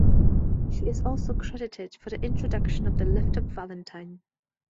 She is also credited for the introduction of the "lift-up" valentine.